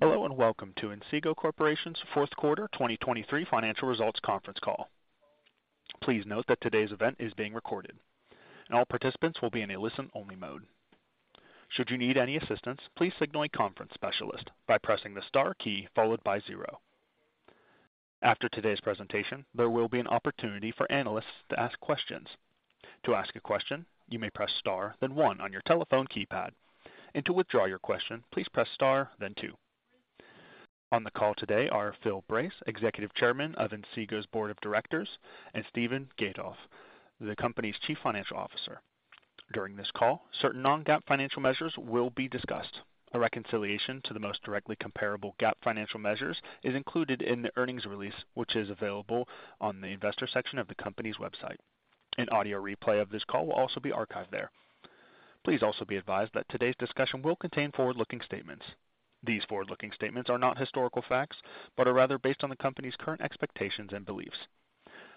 Hello, and welcome to Inseego Corporation's Fourth Quarter 2023 Financial Results Conference Call. Please note that today's event is being recorded, and all participants will be in a listen-only mode. Should you need any assistance, please signal a conference specialist by pressing the star key followed by zero. After today's presentation, there will be an opportunity for analysts to ask questions. To ask a question, you may press star, then one on your telephone keypad, and to withdraw your question, please press star then two. On the call today are Phil Brace, Executive Chairman of Inseego's Board of Directors, and Steven Gatoff, the company's Chief Financial Officer. During this call, certain non-GAAP financial measures will be discussed. A reconciliation to the most directly comparable GAAP financial measures is included in the earnings release, which is available on the investor section of the company's website. An audio replay of this call will also be archived there. Please also be advised that today's discussion will contain forward-looking statements. These forward-looking statements are not historical facts, but are rather based on the company's current expectations and beliefs.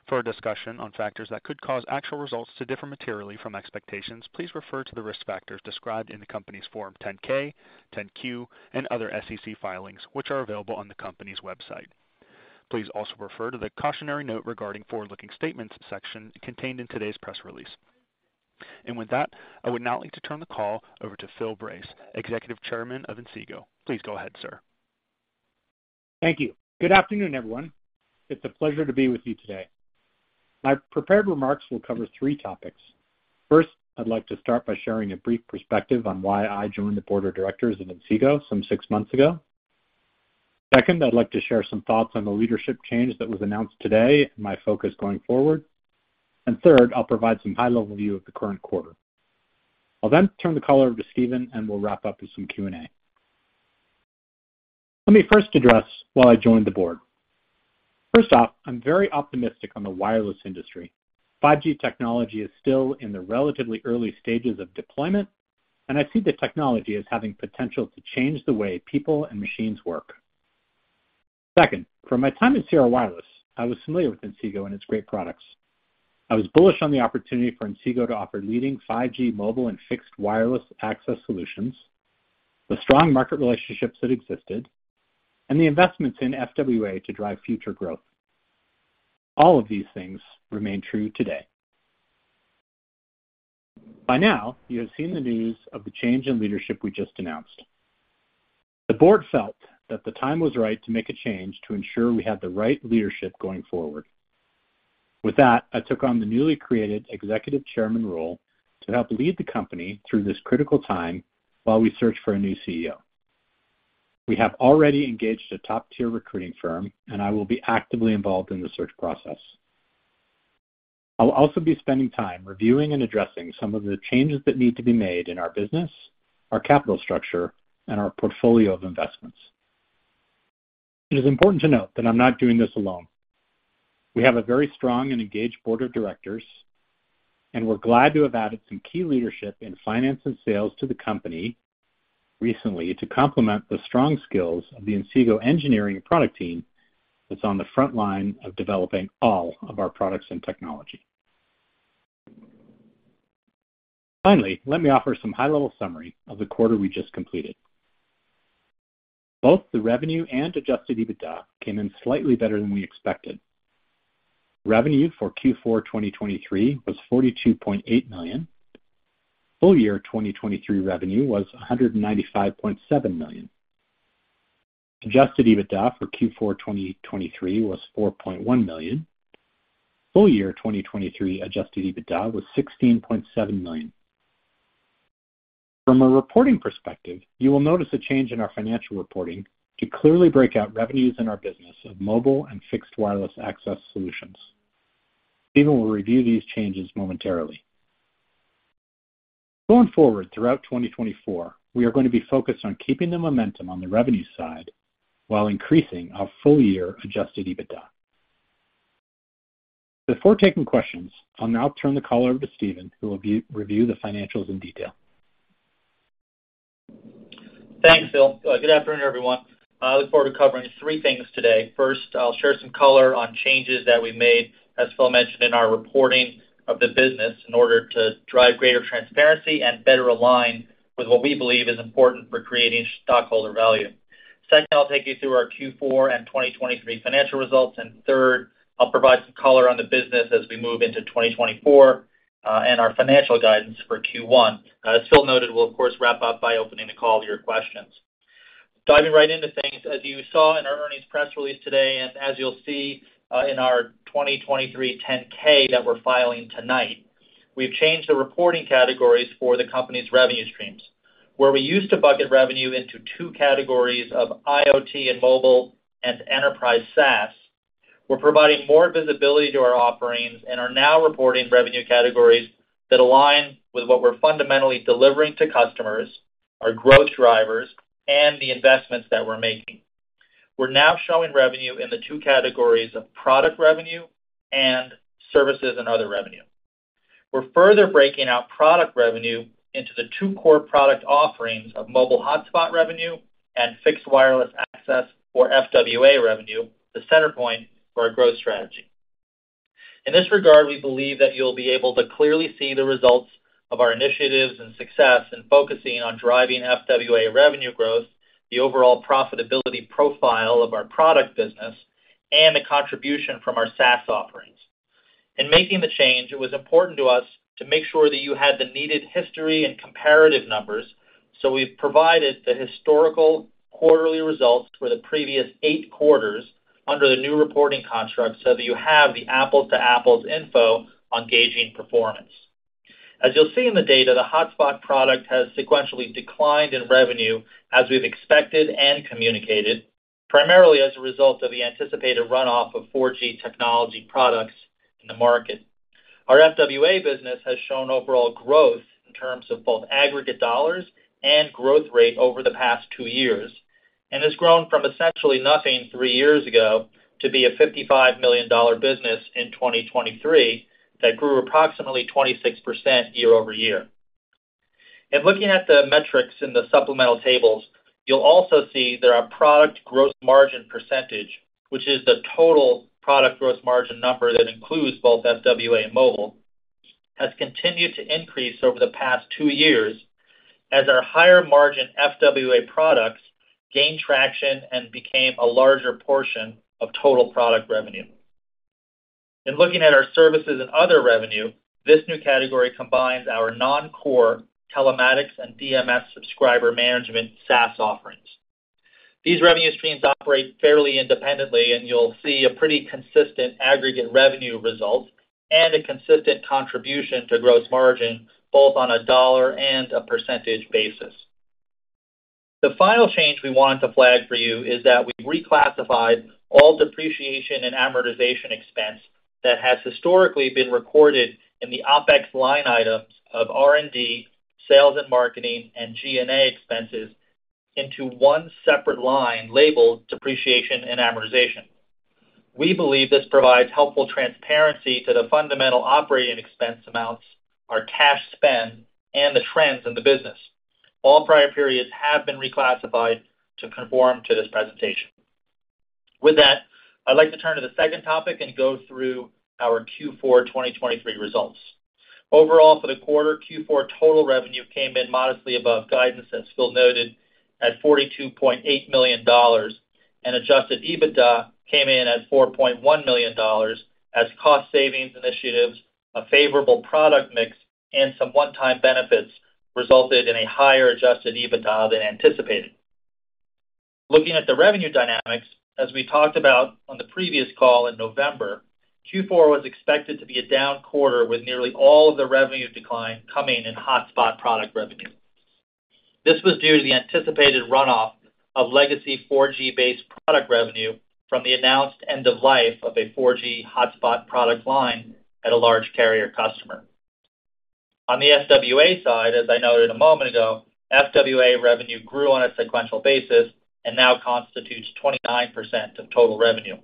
For a discussion on factors that could cause actual results to differ materially from expectations, please refer to the risk factors described in the company's Form 10-K, 10-Q, and other SEC filings, which are available on the company's website. Please also refer to the cautionary note regarding forward-looking statements section contained in today's press release. With that, I would now like to turn the call over to Phil Brace, Executive Chairman of Inseego. Please go ahead, sir. Thank you. Good afternoon, everyone. It's a pleasure to be with you today. My prepared remarks will cover three topics. First, I'd like to start by sharing a brief perspective on why I joined the board of directors of Inseego some six months ago. Second, I'd like to share some thoughts on the leadership change that was announced today and my focus going forward. And third, I'll provide some high-level view of the current quarter. I'll then turn the call over to Steven, and we'll wrap up with some Q&A. Let me first address why I joined the board. First off, I'm very optimistic on the wireless industry. 5G technology is still in the relatively early stages of deployment, and I see the technology as having potential to change the way people and machines work. Second, from my time at Sierra Wireless, I was familiar with Inseego and its great products. I was bullish on the opportunity for Inseego to offer leading 5G mobile and fixed wireless access solutions, the strong market relationships that existed, and the investments in FWA to drive future growth. All of these things remain true today. By now, you have seen the news of the change in leadership we just announced. The board felt that the time was right to make a change to ensure we had the right leadership going forward. With that, I took on the newly created executive chairman role to help lead the company through this critical time while we search for a new CEO. We have already engaged a top-tier recruiting firm, and I will be actively involved in the search process. I'll also be spending time reviewing and addressing some of the changes that need to be made in our business, our capital structure, and our portfolio of investments. It is important to note that I'm not doing this alone. We have a very strong and engaged board of directors, and we're glad to have added some key leadership in finance and sales to the company recently to complement the strong skills of the Inseego engineering and product team that's on the front line of developing all of our products and technology. Finally, let me offer some high-level summary of the quarter we just completed. Both the revenue and adjusted EBITDA came in slightly better than we expected. Revenue for Q4 2023 was $42.8 million. Full year 2023 revenue was $195.7 million. adjusted EBITDA for Q4 2023 was $4.1 million. Full year 2023 adjusted EBITDA was $16.7 million. From a reporting perspective, you will notice a change in our financial reporting to clearly break out revenues in our business of mobile and fixed wireless access solutions. Steven will review these changes momentarily. Going forward throughout 2024, we are going to be focused on keeping the momentum on the revenue side while increasing our full year adjusted EBITDA. Before taking questions, I'll now turn the call over to Steven, who will review the financials in detail. Thanks, Phil. Good afternoon, everyone. I look forward to covering three things today. First, I'll share some color on changes that we made, as Phil mentioned, in our reporting of the business in order to drive greater transparency and better align with what we believe is important for creating stockholder value. Second, I'll take you through our Q4 and 2023 financial results, and third, I'll provide some color on the business as we move into 2024, and our financial guidance for Q1. As Phil noted, we'll of course wrap up by opening the call to your questions. Diving right into things, as you saw in our earnings press release today, and as you'll see in our 2023 10-K that we're filing tonight, we've changed the reporting categories for the company's revenue streams. Where we used to bucket revenue into two categories of IoT and mobile and enterprise SaaS, we're providing more visibility to our offerings and are now reporting revenue categories that align with what we're fundamentally delivering to customers, our growth drivers, and the investments that we're making. We're now showing revenue in the two categories of product revenue and services and other revenue. We're further breaking out product revenue into the two core product offerings of mobile hotspot revenue and fixed wireless access, or FWA revenue, the center point for our growth strategy. In this regard, we believe that you'll be able to clearly see the results of our initiatives and success in focusing on driving FWA revenue growth, the overall profitability profile of our product business, and the contribution from our SaaS offerings. In making the change, it was important to us to make sure that you had the needed history and comparative numbers, so we've provided the historical quarterly results for the previous 8 quarters under the new reporting construct, so that you have the apples-to-apples info on gauging performance. As you'll see in the data, the hotspot product has sequentially declined in revenue, as we've expected and communicated, primarily as a result of the anticipated runoff of 4G technology products in the market. Our FWA business has shown overall growth in terms of both aggregate dollars and growth rate over the past 2 years, and has grown from essentially nothing 3 years ago to be a $55 million business in 2023, that grew approximately 26% year-over-year. Looking at the metrics in the supplemental tables, you'll also see that our product gross margin percentage, which is the total product gross margin number that includes both FWA and mobile, has continued to increase over the past two years as our higher-margin FWA products gained traction and became a larger portion of total product revenue. In looking at our services and other revenue, this new category combines our non-core telematics and DMS subscriber management SaaS offerings. These revenue streams operate fairly independently, and you'll see a pretty consistent aggregate revenue result and a consistent contribution to gross margin, both on a dollar and a percentage basis. The final change we wanted to flag for you is that we've reclassified all depreciation and amortization expense that has historically been recorded in the OpEx line items of R&D, sales and marketing, and G&A expenses into one separate line labeled Depreciation and Amortization. We believe this provides helpful transparency to the fundamental operating expense amounts, our cash spend, and the trends in the business. All prior periods have been reclassified to conform to this presentation. With that, I'd like to turn to the second topic and go through our Q4 2023 results. Overall, for the quarter, Q4 total revenue came in modestly above guidance, as Phil noted, at $42.8 million, and adjusted EBITDA came in at $4.1 million as cost savings initiatives, a favorable product mix, and some one-time benefits resulted in a higher adjusted EBITDA than anticipated. Looking at the revenue dynamics, as we talked about on the previous call in November, Q4 was expected to be a down quarter, with nearly all of the revenue decline coming in hotspot product revenue. This was due to the anticipated runoff of legacy 4G-based product revenue from the announced end of life of a 4G hotspot product line at a large carrier customer. On the FWA side, as I noted a moment ago, FWA revenue grew on a sequential basis and now constitutes 29% of total revenue.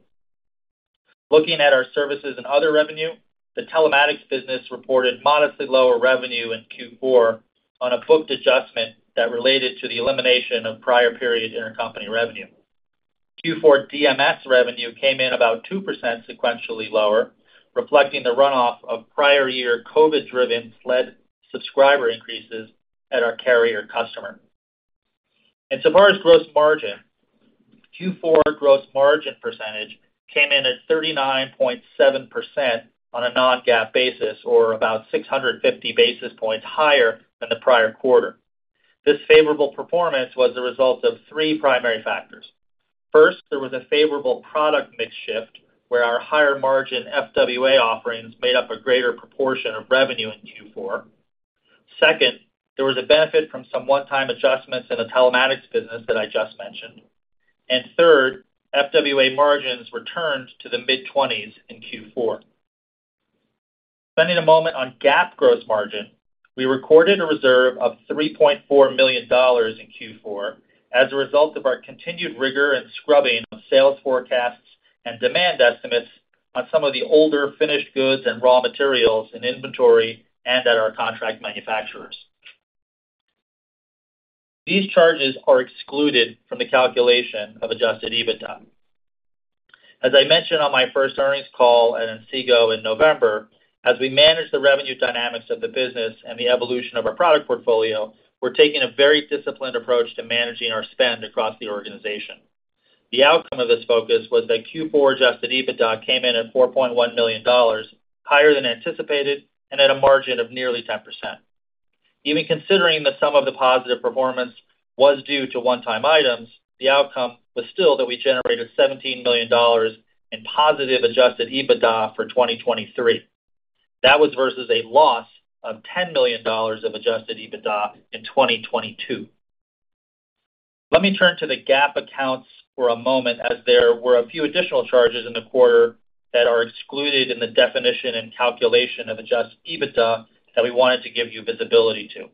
Looking at our services and other revenue, the telematics business reported modestly lower revenue in Q4 on a booked adjustment that related to the elimination of prior period intercompany revenue. Q4 DMS revenue came in about 2% sequentially lower, reflecting the runoff of prior year COVID-driven SLED subscriber increases at our carrier customer. So far as gross margin, Q4 gross margin percentage came in at 39.7% on a non-GAAP basis, or about 650 basis points higher than the prior quarter. This favorable performance was the result of three primary factors: First, there was a favorable product mix shift, where our higher-margin FWA offerings made up a greater proportion of revenue in Q4. Second, there was a benefit from some one-time adjustments in the telematics business that I just mentioned. And third, FWA margins returned to the mid-twenties in Q4. Spending a moment on GAAP gross margin, we recorded a reserve of $3.4 million in Q4 as a result of our continued rigor and scrubbing of sales forecasts and demand estimates on some of the older finished goods and raw materials in inventory and at our contract manufacturers. These charges are excluded from the calculation of adjusted EBITDA. As I mentioned on my first earnings call at Inseego in November, as we manage the revenue dynamics of the business and the evolution of our product portfolio, we're taking a very disciplined approach to managing our spend across the organization. The outcome of this focus was that Q4 adjusted EBITDA came in at $4.1 million, higher than anticipated and at a margin of nearly 10%. Even considering that some of the positive performance was due to one-time items, the outcome was still that we generated $17 million in positive adjusted EBITDA for 2023. That was versus a loss of $10 million of adjusted EBITDA in 2022. Let me turn to the GAAP accounts for a moment, as there were a few additional charges in the quarter that are excluded in the definition and calculation of adjusted EBITDA that we wanted to give you visibility to.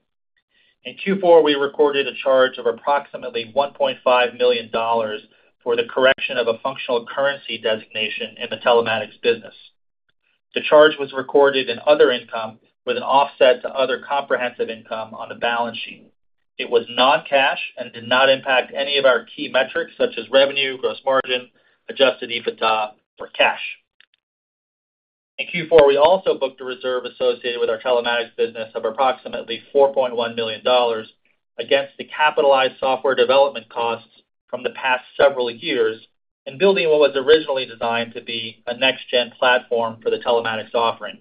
In Q4, we recorded a charge of approximately $1.5 million for the correction of a functional currency designation in the telematics business. The charge was recorded in other income with an offset to other comprehensive income on the balance sheet. It was non-cash and did not impact any of our key metrics, such as revenue, gross margin, adjusted EBITDA or cash. In Q4, we also booked a reserve associated with our telematics business of approximately $4.1 million against the capitalized software development costs from the past several years, and building what was originally designed to be a next-gen platform for the telematics offering.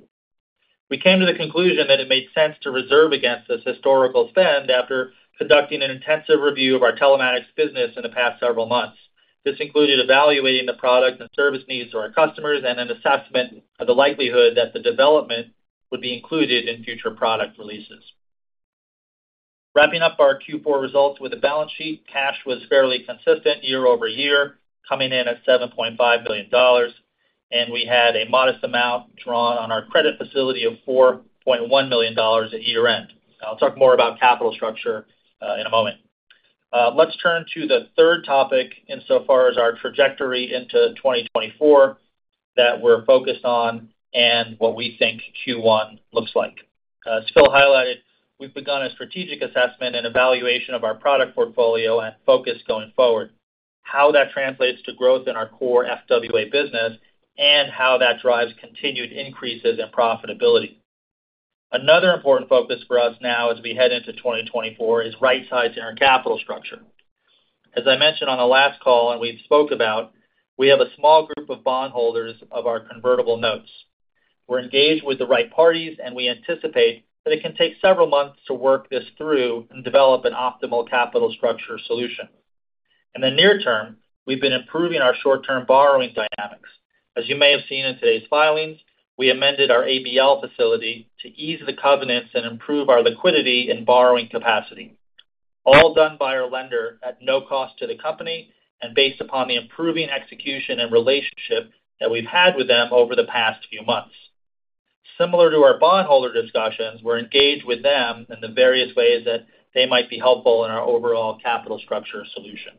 We came to the conclusion that it made sense to reserve against this historical spend after conducting an intensive review of our telematics business in the past several months. This included evaluating the product and service needs to our customers and an assessment of the likelihood that the development would be included in future product releases. Wrapping up our Q4 results with the balance sheet, cash was fairly consistent year-over-year, coming in at $7.5 million, and we had a modest amount drawn on our credit facility of $4.1 million at year-end. I'll talk more about capital structure in a moment. Let's turn to the third topic insofar as our trajectory into 2024 that we're focused on and what we think Q1 looks like. As Phil highlighted, we've begun a strategic assessment and evaluation of our product portfolio and focus going forward, how that translates to growth in our core FWA business, and how that drives continued increases in profitability. Another important focus for us now as we head into 2024 is right-sizing our capital structure. As I mentioned on the last call, and we've spoke about, we have a small group of bondholders of our convertible notes. We're engaged with the right parties, and we anticipate that it can take several months to work this through and develop an optimal capital structure solution. In the near term, we've been improving our short-term borrowing dynamics. As you may have seen in today's filings, we amended our ABL facility to ease the covenants and improve our liquidity and borrowing capacity, all done by our lender at no cost to the company and based upon the improving execution and relationship that we've had with them over the past few months. Similar to our bondholder discussions, we're engaged with them in the various ways that they might be helpful in our overall capital structure solution.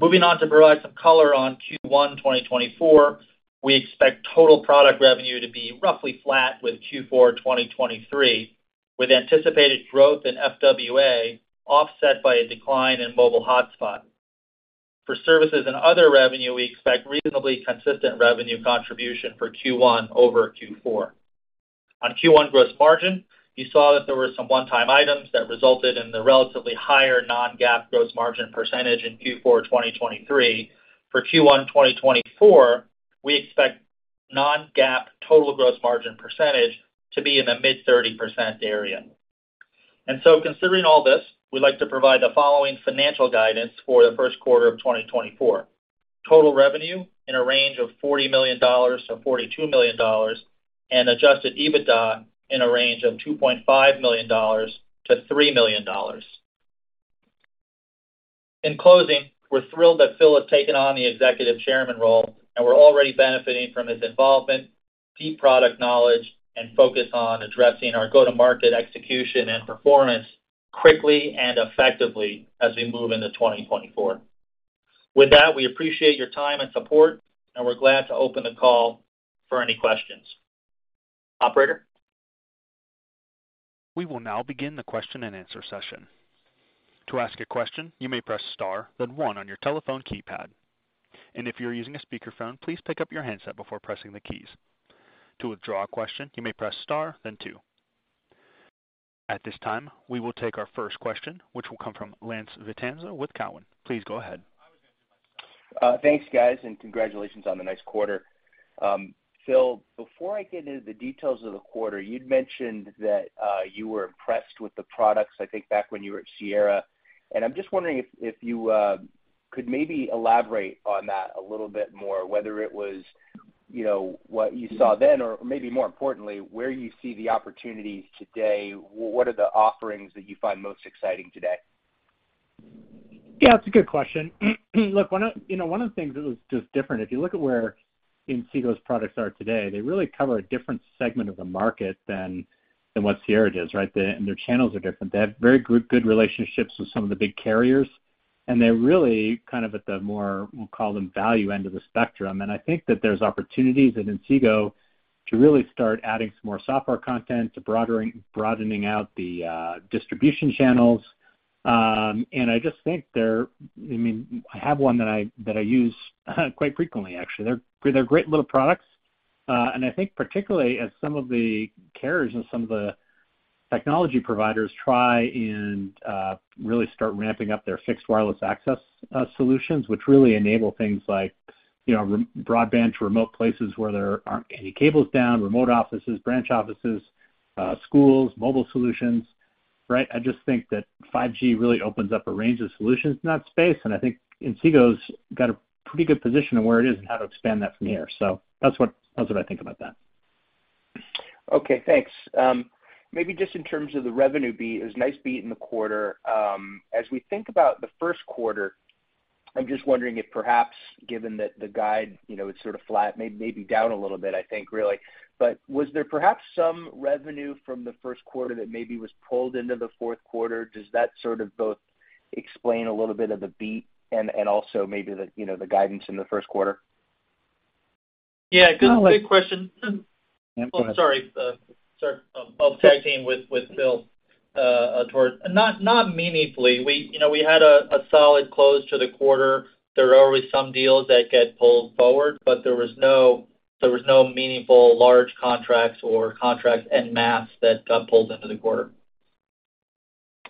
Moving on to provide some color on Q1 2024, we expect total product revenue to be roughly flat with Q4 2023, with anticipated growth in FWA, offset by a decline in mobile hotspot. For services and other revenue, we expect reasonably consistent revenue contribution for Q1 over Q4. On Q1 gross margin, you saw that there were some one-time items that resulted in the relatively higher non-GAAP gross margin percentage in Q4 2023. For Q1 2024, we expect non-GAAP total gross margin percentage to be in the mid-30% area. And so considering all this, we'd like to provide the following financial guidance for the first quarter of 2024: total revenue in a range of $40 million-$42 million and adjusted EBITDA in a range of $2.5 million-$3 million. In closing, we're thrilled that Phil has taken on the Executive Chairman role, and we're already benefiting from his involvement, deep product knowledge, and focus on addressing our go-to-market execution and performance quickly and effectively as we move into 2024. With that, we appreciate your time and support, and we're glad to open the call for any questions. Operator? We will now begin the question-and-answer session. To ask a question, you may press Star, then one on your telephone keypad, and if you're using a speakerphone, please pick up your handset before pressing the keys. To withdraw a question, you may press Star, then two. At this time, we will take our first question, which will come from Lance Vitanza with TD Cowen. Please go ahead. Thanks, guys, and congratulations on the nice quarter. Phil, before I get into the details of the quarter, you'd mentioned that you were impressed with the products, I think, back when you were at Sierra, and I'm just wondering if you could maybe elaborate on that a little bit more, whether it was, you know, what you saw then, or maybe more importantly, where you see the opportunities today, what are the offerings that you find most exciting today? Yeah, it's a good question. Look, one of, you know, one of the things that was just different, if you look at where Inseego's products are today, they really cover a different segment of the market than, than what Sierra does, right? And their channels are different. They have very good, good relationships with some of the big carriers, and they're really kind of at the more, we'll call them, value end of the spectrum. And I think that there's opportunities at Inseego to really start adding some more software content, to broadening out the distribution channels. And I just think they're... I mean, I have one that I, that I use, quite frequently, actually. They're great little products, and I think particularly as some of the carriers and some of the technology providers try and really start ramping up their Fixed Wireless Access solutions, which really enable things like, you know, broadband to remote places where there aren't any cables down, remote offices, branch offices, schools, mobile solutions, right? I just think that 5G really opens up a range of solutions in that space, and I think Inseego's got a pretty good position on where it is and how to expand that from here. So that's what I think about that. Okay, thanks. Maybe just in terms of the revenue beat, it was a nice beat in the quarter. As we think about the first quarter, I'm just wondering if perhaps, given that the guide, you know, is sort of flat, maybe down a little bit, I think, really. But was there perhaps some revenue from the first quarter that maybe was pulled into the fourth quarter? Does that sort of both explain a little bit of the beat and also maybe the, you know, the guidance in the first quarter?... Yeah, good, big question. Oh, sorry, sir. I'll tag team with Phil towards— Not meaningfully. We, you know, we had a solid close to the quarter. There are always some deals that get pulled forward, but there was no meaningful large contracts or contracts en masse that got pulled into the quarter.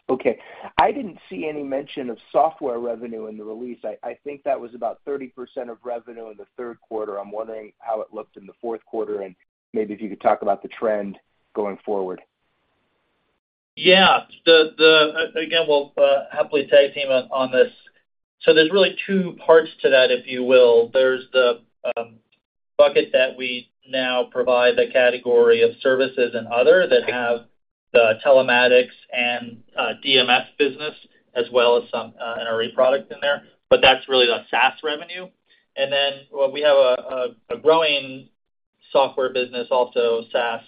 Okay. I didn't see any mention of software revenue in the release. I, I think that was about 30% of revenue in the third quarter. I'm wondering how it looked in the fourth quarter, and maybe if you could talk about the trend going forward. Yeah, again, we'll happily tag team on this. So there's really two parts to that, if you will. There's the bucket that we now provide the category of services and other, that have the telematics and DMS business, as well as some NRE product in there, but that's really the SaaS revenue. And then, well, we have a growing software business, also SaaS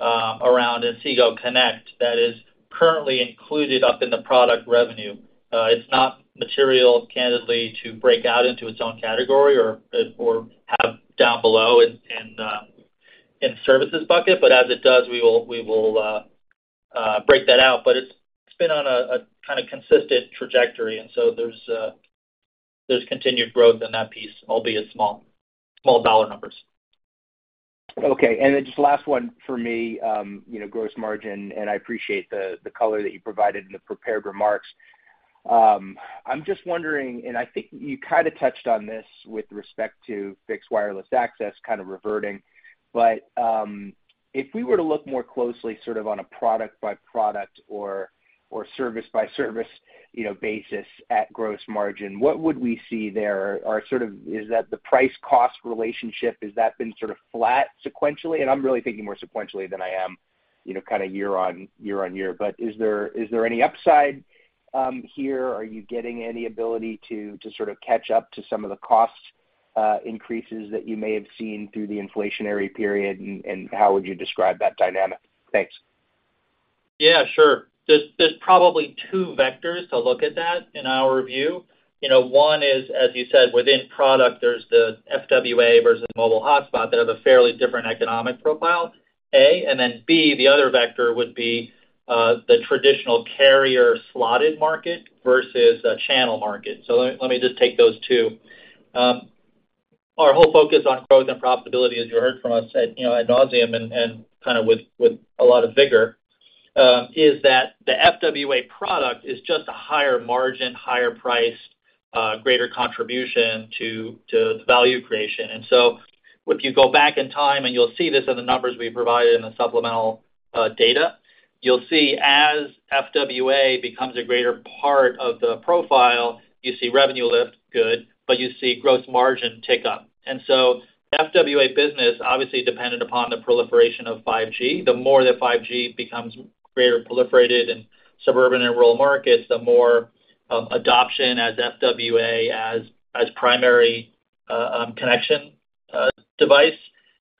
around Inseego Connect, that is currently included up in the product revenue. It's not material, candidly, to break out into its own category or have down below in the services bucket. But as it does, we will, we will break that out. But it's been on a kind of consistent trajectory, and so there's continued growth in that piece, albeit small, small dollar numbers. Okay, and then just last one for me, you know, gross margin, and I appreciate the color that you provided in the prepared remarks. I'm just wondering, and I think you kind of touched on this with respect to fixed wireless access, kind of reverting. But, if we were to look more closely, sort of on a product-by-product or service-by-service, you know, basis at gross margin, what would we see there? Or sort of, is that the price-cost relationship, has that been sort of flat sequentially? And I'm really thinking more sequentially than I am, you know, kind of year-on-year. But is there any upside here? Are you getting any ability to sort of catch up to some of the cost increases that you may have seen through the inflationary period, and how would you describe that dynamic? Thanks. Yeah, sure. There's probably two vectors to look at that in our view. You know, one is, as you said, within product, there's the FWA versus mobile hotspot that have a fairly different economic profile, A, and then B, the other vector would be the traditional carrier slotted market versus a channel market. So let me just take those two. Our whole focus on growth and profitability, as you heard from us, you know, ad nauseam, and kind of with a lot of vigor, is that the FWA product is just a higher margin, higher priced, greater contribution to the value creation. And so if you go back in time, and you'll see this in the numbers we provided in the supplemental data, you'll see as FWA becomes a greater part of the profile, you see revenue lift, good, but you see gross margin tick up. And so FWA business, obviously dependent upon the proliferation of 5G, the more that 5G becomes greater proliferated in suburban and rural markets, the more adoption as FWA as primary connection device.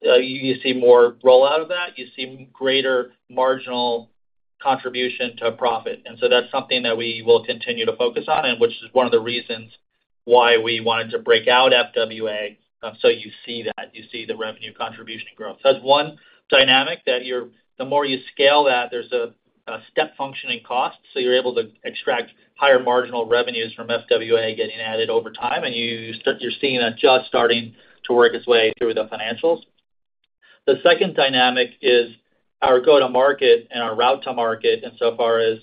You see more rollout of that, you see greater marginal contribution to profit. And so that's something that we will continue to focus on, and which is one of the reasons why we wanted to break out FWA, so you see that, you see the revenue contribution growth. So that's one dynamic, that you're the more you scale that, there's a step function in cost, so you're able to extract higher marginal revenues from FWA getting added over time, and you're seeing that just starting to work its way through the financials. The second dynamic is our go-to-market and our route-to-market, insofar as,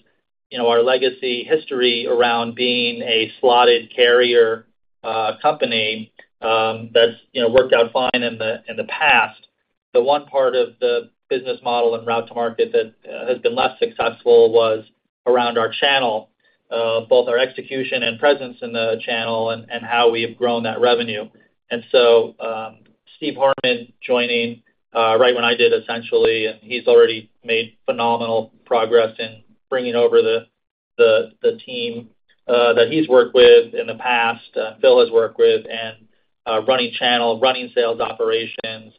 you know, our legacy history around being a slotted carrier company, that's, you know, worked out fine in the past. The one part of the business model and route to market that has been less successful was around our channel, both our execution and presence in the channel and how we have grown that revenue. Steve Harmon joining right when I did, essentially, and he's already made phenomenal progress in bringing over the team that he's worked with in the past, Phil has worked with, and running channel, running sales operations.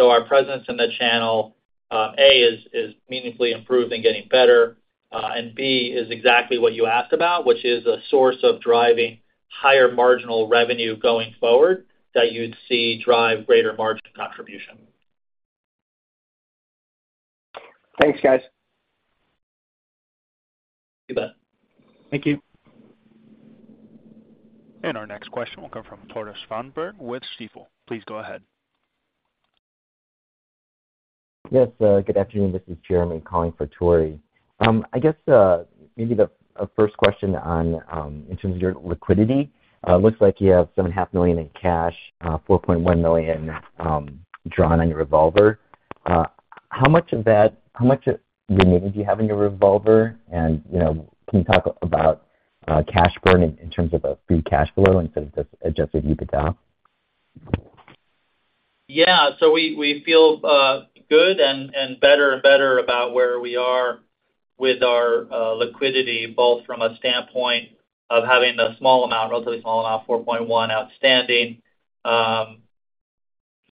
Our presence in the channel, A, is meaningfully improved and getting better, and B, is exactly what you asked about, which is a source of driving higher marginal revenue going forward, that you'd see drive greater margin contribution. Thanks, guys. You bet. Thank you. Our next question will come from Tore Svanberg with Stifel. Please go ahead. Yes, good afternoon. This is Jeremy calling for Tore. I guess, maybe a first question on, in terms of your liquidity. It looks like you have $7.5 million in cash, $4.1 million drawn on your revolver. How much of that—How much of your money do you have in your revolver? And, you know, can you talk about cash burn in terms of a free cash flow instead of just adjusted EBITDA? Yeah. So we feel good and better and better about where we are with our liquidity, both from a standpoint of having a small amount, relatively small amount, $4.1 million outstanding.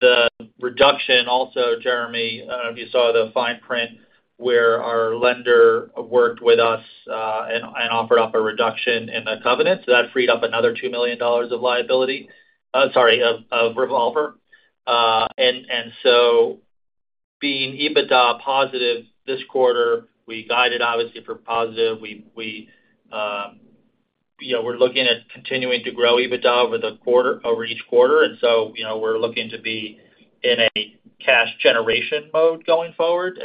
The reduction also, Jeremy, if you saw the fine print... where our lender worked with us and offered up a reduction in the covenant, so that freed up another $2 million of liability, sorry, of revolver. And so being EBITDA positive this quarter, we guided obviously for positive. We, you know, we're looking at continuing to grow EBITDA over each quarter, and so, you know, we're looking to be in a cash generation mode going forward.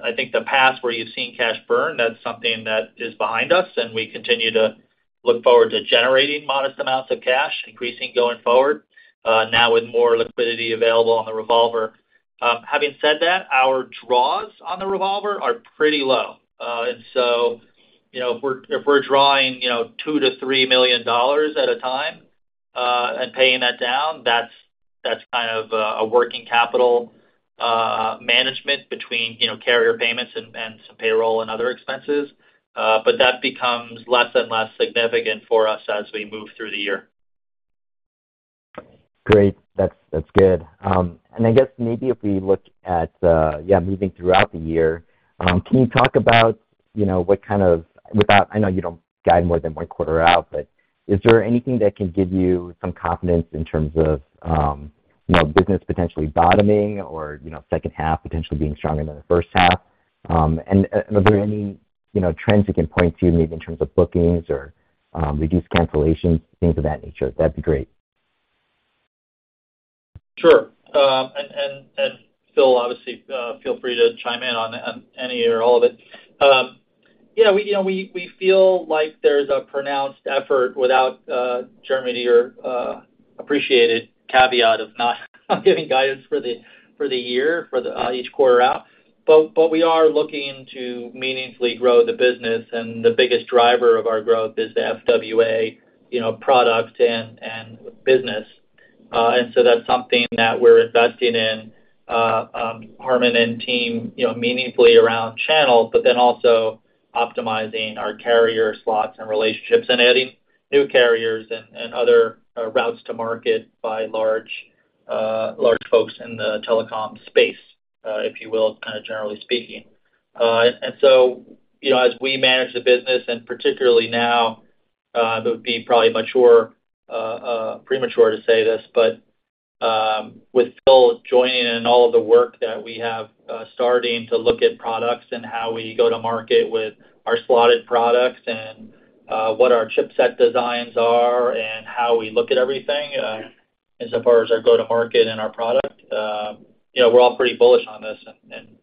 I think the past where you've seen cash burn, that's something that is behind us, and we continue to look forward to generating modest amounts of cash, increasing going forward, now with more liquidity available on the revolver. Having said that, our draws on the revolver are pretty low. And so, you know, if we're drawing, you know, $2 million-$3 million at a time, and paying that down, that's kind of a working capital management between, you know, carrier payments and some payroll and other expenses. But that becomes less and less significant for us as we move through the year. Great. That's, that's good. And I guess maybe if we look at, yeah, moving throughout the year, can you talk about, you know, what kind of-- without... I know you don't guide more than one quarter out, but is there anything that can give you some confidence in terms of, you know, business potentially bottoming or, you know, second half potentially being stronger than the first half? And, are there any, you know, trends you can point to, maybe in terms of bookings or, reduced cancellations, things of that nature? That'd be great. Sure. And Phil, obviously, feel free to chime in on any or all of it. Yeah, you know, we feel like there's a pronounced effort without Jeremy, your appreciated caveat of not giving guidance for the year, for each quarter out. But we are looking to meaningfully grow the business, and the biggest driver of our growth is the FWA, you know, product and business. And so that's something that we're investing in, Harmon and team, you know, meaningfully around channels, but then also optimizing our carrier slots and relationships and adding new carriers and other routes to market by large folks in the telecom space, if you will, kind of generally speaking. And so, you know, as we manage the business, and particularly now, it would be premature to say this, but with Phil joining in and all of the work that we have starting to look at products and how we go to market with our slotted products and what our chipset designs are and how we look at everything as far as our go-to-market and our product, you know, we're all pretty bullish on this. And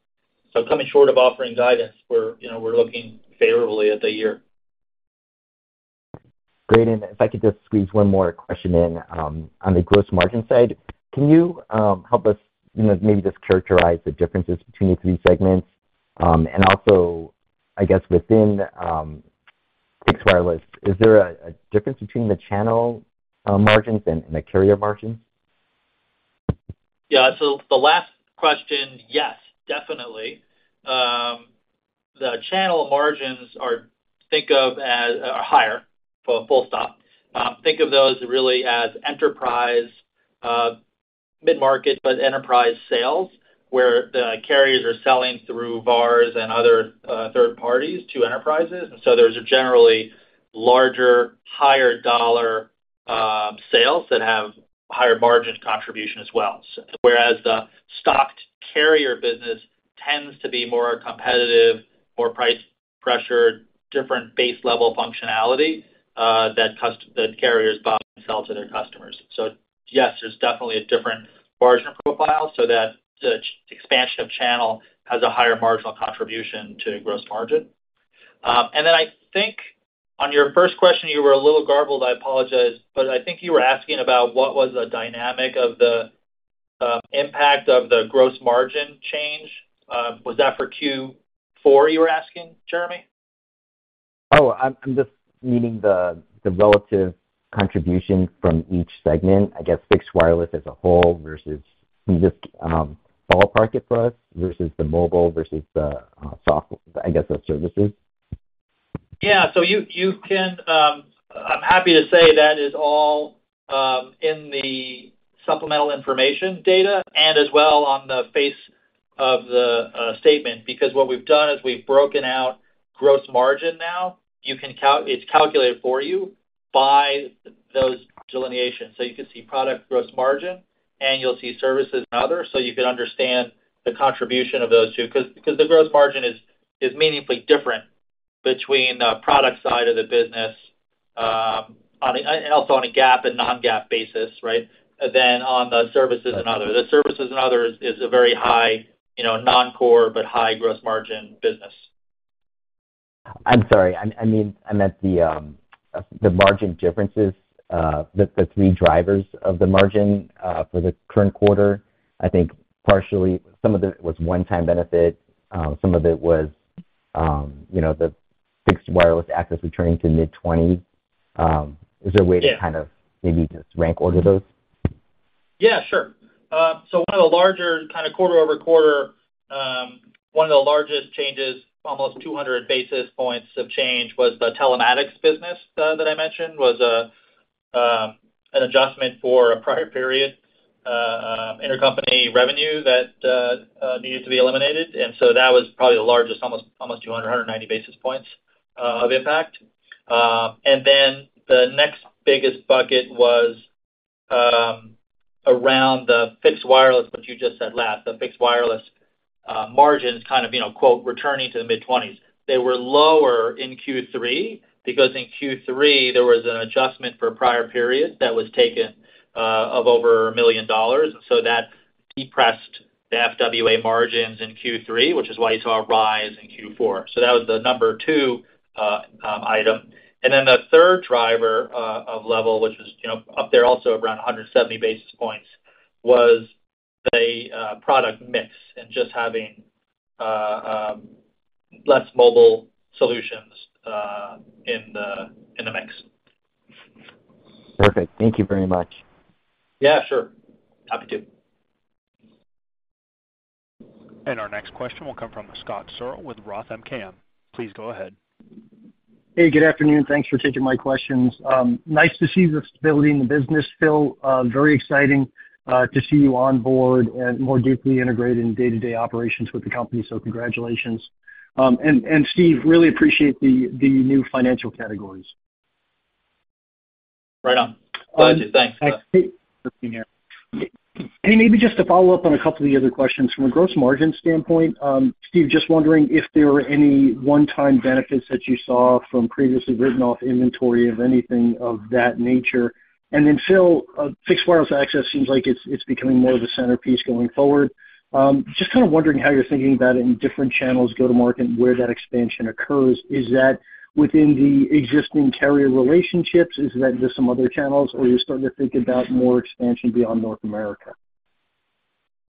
so coming short of offering guidance, we're, you know, we're looking favorably at the year. Great. If I could just squeeze one more question in. On the gross margin side, can you help us, you know, maybe just characterize the differences between the three segments? And also, I guess within fixed wireless, is there a difference between the channel margins and the carrier margins? Yeah. So the last question, yes, definitely. The channel margins are, think of as, higher, full stop. Think of those really as enterprise, mid-market, but enterprise sales, where the carriers are selling through VARs and other third parties to enterprises. And so those are generally larger, higher-dollar sales that have higher margin contribution as well. Whereas the stocked carrier business tends to be more competitive, more price-pressured, different base-level functionality that carriers buy and sell to their customers. So yes, there's definitely a different margin profile so that the expansion of channel has a higher marginal contribution to gross margin. And then I think on your first question, you were a little garbled, I apologize, but I think you were asking about what was the dynamic of the impact of the gross margin change. Was that for Q4, you were asking, Jeremy? Oh, I'm just meaning the relative contribution from each segment, I guess fixed wireless as a whole versus just, ballpark it for us, versus the mobile, versus the software, I guess, the services. Yeah. So you can. I'm happy to say that is all in the supplemental information data and as well on the face of the statement, because what we've done is we've broken out gross margin now. You can. It's calculated for you by those delineations. So you can see product gross margin, and you'll see services and others, so you can understand the contribution of those two. Because the gross margin is meaningfully different between the product side of the business, on a GAAP and also on a non-GAAP basis, right, than on the services and other. The services and other is a very high, you know, non-core, but high gross margin business. I'm sorry, I mean, I meant the margin differences, the three drivers of the margin, for the current quarter. I think partially some of it was one-time benefit, some of it was, you know, the Fixed Wireless Access returning to mid-20. Is there a way- Yeah... to kind of maybe just rank order those? Yeah, sure. So one of the larger kind of quarter-over-quarter, one of the largest changes, almost 200 basis points of change, was the telematics business that I mentioned, was an adjustment for a prior period, intercompany revenue that needed to be eliminated. So that was probably the largest, almost 200, 190 basis points of impact. And then the next biggest bucket was around the fixed wireless, what you just said last, the fixed wireless margins kind of, you know, quote, "returning to the mid-20s." They were lower in Q3, because in Q3, there was an adjustment for a prior period that was taken of over $1 million. So that depressed the FWA margins in Q3, which is why you saw a rise in Q4. So that was the number two item. And then the third driver of level, which was, you know, up there also around 170 basis points, was a product mix and just having less mobile solutions in the mix. Perfect. Thank you very much. Yeah, sure. Happy to. Our next question will come from Scott Searle with Roth MKM. Please go ahead. Hey, good afternoon. Thanks for taking my questions. Nice to see the stability in the business, Phil. Very exciting to see you on board and more deeply integrated in day-to-day operations with the company. So congratulations. And Steve, really appreciate the new financial categories. Right on. Pleasure. Thanks. Hey, maybe just to follow up on a couple of the other questions. From a gross margin standpoint, Steve, just wondering if there were any one-time benefits that you saw from previously written off inventory of anything of that nature. And then, Phil, fixed wireless access seems like it's becoming more of a centerpiece going forward. Just kind of wondering how you're thinking about it in different channels go-to-market and where that expansion occurs. Is that within the existing carrier relationships? Is that just some other channels, or you're starting to think about more expansion beyond North America?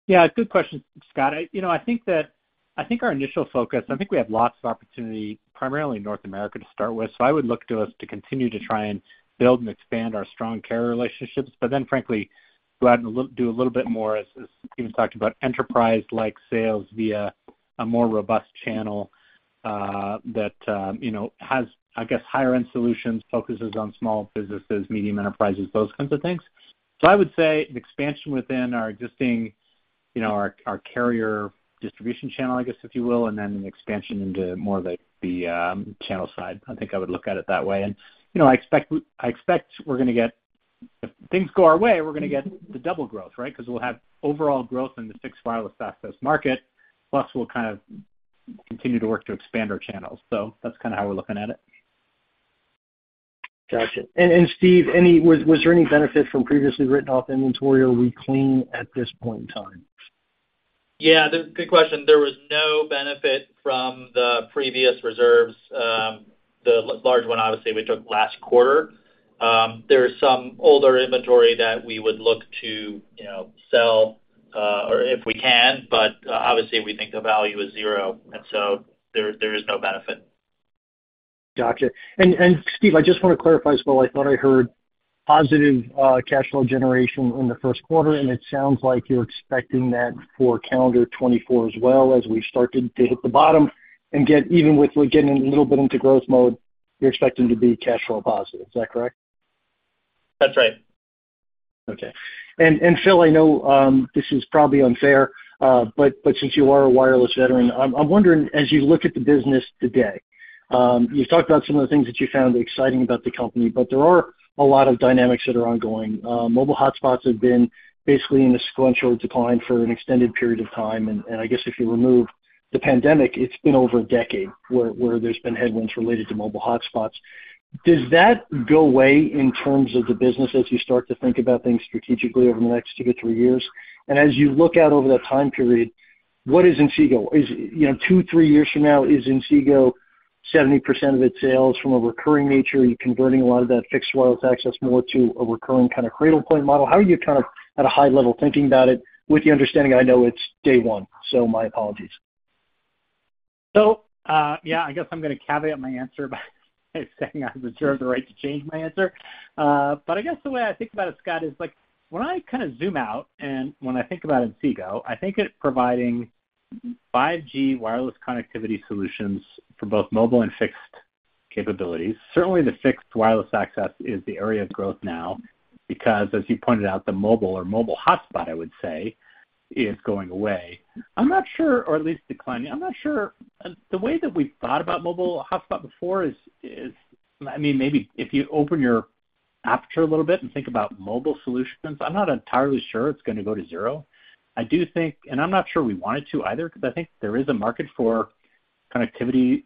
Yeah, good question, Scott. You know, I think that I think our initial focus, I think we have lots of opportunity, primarily in North America, to start with. So I would look to us to continue to try and build and expand our strong carrier relationships, but then frankly, go out and look do a little bit more, as Steven talked about, enterprise-like sales via a more robust channel, that you know, has, I guess, higher-end solutions, focuses on small businesses, medium enterprises, those kinds of things. So I would say an expansion within our existing, you know, our carrier distribution channel, I guess, if you will, and then an expansion into more of the channel side. I think I would look at it that way. You know, I expect we're gonna get, if things go our way, we're gonna get the double growth, right? Because we'll have overall growth in the Fixed Wireless Access market, plus we'll kind of continue to work to expand our channels. So that's kind of how we're looking at it. Gotcha. And Steve, was there any benefit from previously written off inventory? Are we clean at this point in time? Yeah, good question. There was no benefit from the previous reserves, the large one, obviously, we took last quarter. There is some older inventory that we would look to, you know, sell, or if we can, but, obviously we think the value is zero, and so there, there is no benefit. Gotcha. And, and Steve, I just want to clarify as well. I thought I heard positive cash flow generation in the first quarter, and it sounds like you're expecting that for calendar 2024 as well, as we start to hit the bottom and get, even with we're getting a little bit into growth mode, you're expecting to be cash flow positive. Is that correct? That's right. Okay. And Phil, I know this is probably unfair, but since you are a wireless veteran, I'm wondering, as you look at the business today, you've talked about some of the things that you found exciting about the company, but there are a lot of dynamics that are ongoing. Mobile hotspots have been basically in a sequential decline for an extended period of time. And I guess if you remove the pandemic, it's been over a decade where there's been headwinds related to mobile hotspots. Does that go away in terms of the business as you start to think about things strategically over the next 2 to 3 years? And as you look out over that time period, what is Inseego? Is, you know, 2, 3 years from now, is Inseego 70% of its sales from a recurring nature? Are you converting a lot of that fixed wireless access more to a recurring kind of Cradlepoint model? How are you kind of, at a high level, thinking about it, with the understanding I know it's day one, so my apologies. So, yeah, I guess I'm gonna caveat my answer by saying I reserve the right to change my answer. But I guess the way I think about it, Scott, is like, when I kind of zoom out and when I think about Inseego, I think it providing 5G wireless connectivity solutions for both mobile and fixed capabilities. Certainly, the fixed wireless access is the area of growth now, because as you pointed out, the mobile or mobile hotspot, I would say, is going away. I'm not sure, or at least declining. I'm not sure. The way that we've thought about mobile hotspot before is, I mean, maybe if you open your aperture a little bit and think about mobile solutions, I'm not entirely sure it's gonna go to zero. I do think, and I'm not sure we want it to either, because I think there is a market for connectivity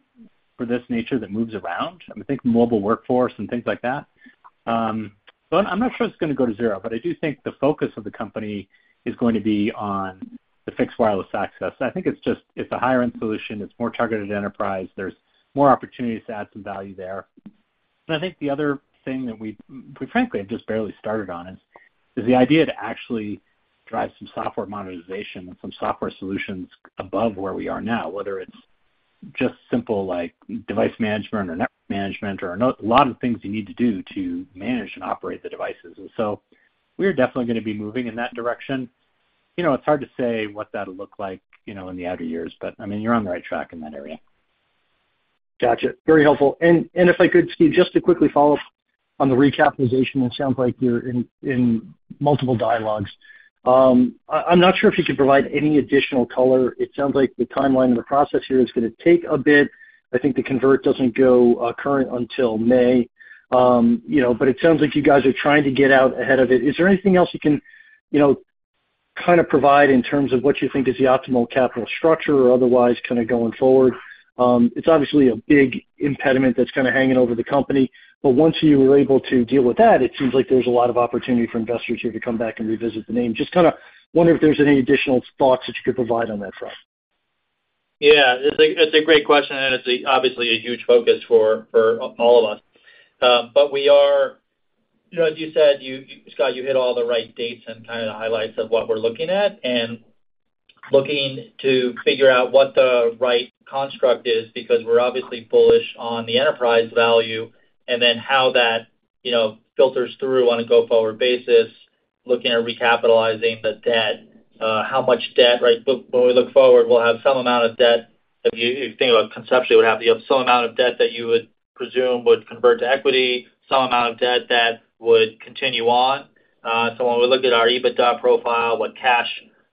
for this nature that moves around. I'm thinking mobile workforce and things like that. So I'm not sure it's gonna go to zero, but I do think the focus of the company is going to be on the fixed wireless access. I think it's just, it's a higher-end solution, it's more targeted enterprise, there's more opportunities to add some value there. And I think the other thing that we, we frankly have just barely started on is, is the idea to actually drive some software monetization and some software solutions above where we are now, whether it's just simple, like device management or network management, or a whole lot of things you need to do to manage and operate the devices. We're definitely gonna be moving in that direction. You know, it's hard to say what that'll look like, you know, in the outer years, but, I mean, you're on the right track in that area.... Gotcha. Very helpful. And if I could, Steve, just to quickly follow up on the recapitalization, it sounds like you're in multiple dialogues. I'm not sure if you could provide any additional color. It sounds like the timeline and the process here is gonna take a bit. I think the convert doesn't go current until May. You know, but it sounds like you guys are trying to get out ahead of it. Is there anything else you can, you know, kind of provide in terms of what you think is the optimal capital structure or otherwise, kind of going forward? It's obviously a big impediment that's kind of hanging over the company, but once you're able to deal with that, it seems like there's a lot of opportunity for investors here to come back and revisit the name. Just kind of wonder if there's any additional thoughts that you could provide on that front? Yeah, it's a great question, and it's obviously a huge focus for all of us. But we are... You know, as you said, Scott, you hit all the right dates and kind of the highlights of what we're looking at, and looking to figure out what the right construct is, because we're obviously bullish on the enterprise value, and then how that, you know, filters through on a go-forward basis, looking at recapitalizing the debt. How much debt, right? But when we look forward, we'll have some amount of debt. If you think about it conceptually, would have the same amount of debt that you would presume would convert to equity, some amount of debt that would continue on. So when we looked at our EBITDA profile, what cash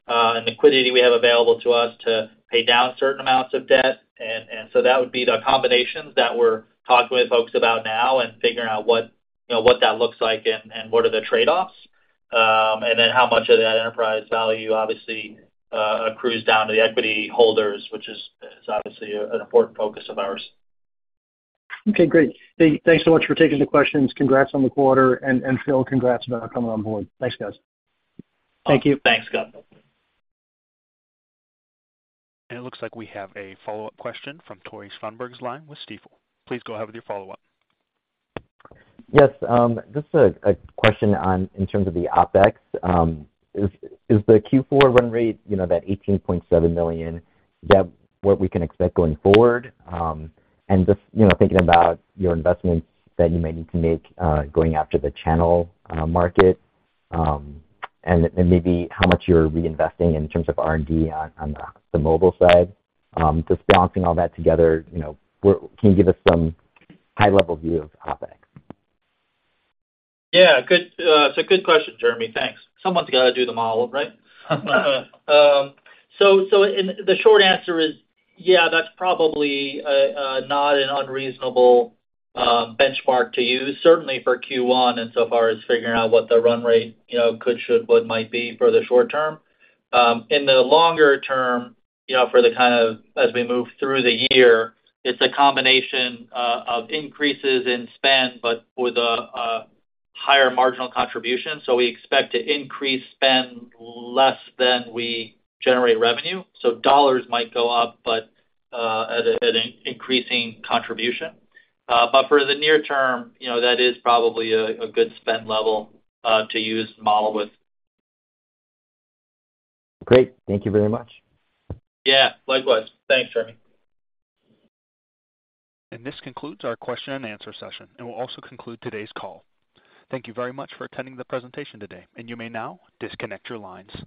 and liquidity we have available to us to pay down certain amounts of debt, and so that would be the combinations that we're talking with folks about now and figuring out what, you know, what that looks like and what are the trade-offs. And then how much of that enterprise value obviously accrues down to the equity holders, which is obviously an important focus of ours. Okay, great. Thanks so much for taking the questions. Congrats on the quarter, and Phil, congrats on coming on board. Thanks, guys. Thank you. Thanks, Scott. It looks like we have a follow-up question from Tore Svanberg line with Stifel. Please go ahead with your follow-up. Yes, just a question on, in terms of the OpEx. Is the Q4 run rate, you know, that $18.7 million, that what we can expect going forward? And just, you know, thinking about your investments that you may need to make, going after the channel market, and maybe how much you're reinvesting in terms of R&D on the mobile side. Just balancing all that together, you know, where can you give us some high-level view of OpEx? Yeah, good. It's a good question, Jeremy. Thanks. Someone's got to do the model, right? So, and the short answer is, yeah, that's probably a not an unreasonable benchmark to use, certainly for Q1, and so far as figuring out what the run rate, you know, could, should, would, might be for the short term. In the longer term, you know, for the kind of as we move through the year, it's a combination of increases in spend, but with a higher marginal contribution. So we expect to increase spend less than we generate revenue. So dollars might go up, but at an increasing contribution. But for the near term, you know, that is probably a good spend level to use the model with. Great. Thank you very much. Yeah, likewise. Thanks, Jeremy. This concludes our question and answer session, and we'll also conclude today's call. Thank you very much for attending the presentation today, and you may now disconnect your lines.